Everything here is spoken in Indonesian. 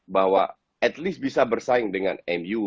bahwa at least bisa bersaing dengan mu